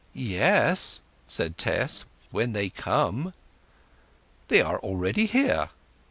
"Yes," said Tess, "when they come." "They are already here."